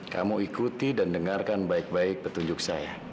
kamu ikuti dan dengarkan baik baik petunjuk saya